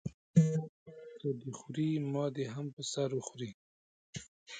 که دی خوري ما دې هم په سر وخوري.